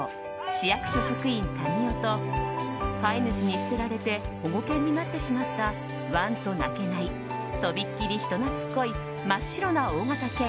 市役所職員、民夫と飼い主に捨てられて保護犬になってしまったワンと鳴けない飛び切り人懐っこい真っ白な大型犬